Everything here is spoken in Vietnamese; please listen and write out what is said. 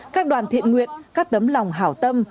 các đoàn thiện nguyện các tấm lòng hảo tâm